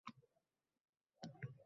Balki meni ona deb atamasmidingiz?!